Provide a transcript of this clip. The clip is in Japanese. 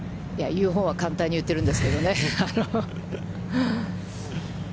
言うほうは簡単に言っているんですけれどもね。